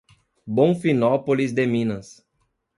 Bonfinópolis de Minas